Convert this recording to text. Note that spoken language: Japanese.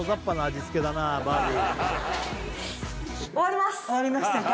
終わりましたか？